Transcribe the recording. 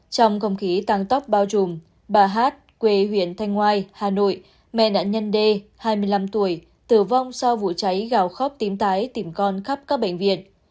trong không khí tăng tốc bao trùm bà hát quê huyện thanh ngoai hà nội mẹ nạn nhân d hai mươi năm tuổi tử vong sau vụ cháy gào khóc tím tái tìm con khắp các bệnh viện